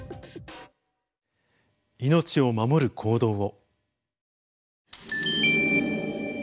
命を守る行動を。